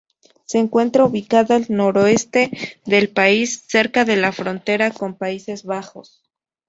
Se encuentra ubicada al noroeste del país, cerca de la frontera con Países Bajos.